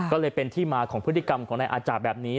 ก็เลยเป็นที่มาของพฤติกรรมของนายอาจารย์แบบนี้